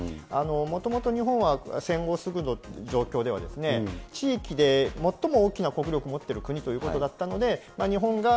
もともと日本は戦後すぐの状況では、地域で最も大きな国力を持ってる国ということだったので、日本が